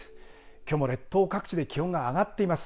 きょうも列島各地で気温が上がっています。